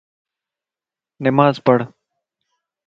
نماز پڙھ